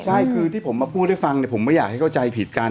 ใช่คือที่ผมมาพูดให้ฟังเนี่ยผมไม่อยากให้เข้าใจผิดกัน